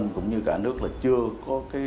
cũng như cả nước là chưa có